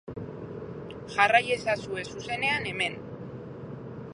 Jarrai ezazue, zuzenean, hemen.